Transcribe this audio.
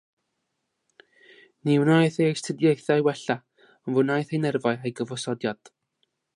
Ni wnaeth ei astudiaethau wella, ond fe wnaeth ei nerfau a'i gyfosodiad.